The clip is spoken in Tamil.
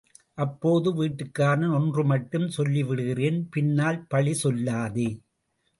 அப்போது வீட்டுக்காரன் ஒன்று மட்டும் சொல்லிவிடுகிறேன், பின்னால் பழி சொல்லாதே.